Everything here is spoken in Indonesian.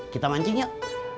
kita mancing yuk